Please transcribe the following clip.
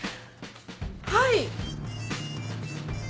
はい！